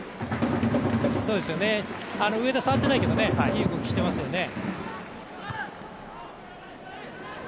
上田、触ってないけどいい動きしていますよね。